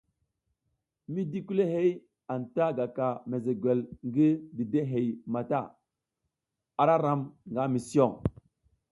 Mi di kulihey anta gaka mesegwel ngi didehey mata, ara ram nga mison.